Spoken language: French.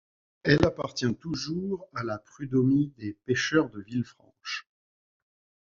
Elle appartient toujours à la Prud'homie des pêcheurs de Villefranche.